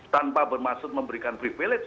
tanpa bermaksud memberikan privilege